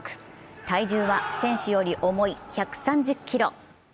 体重は選手より重い１３０ｋｇ。